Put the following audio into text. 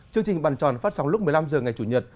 chương trình bàn tròn phát sóng lúc một mươi năm h ngày chủ nhật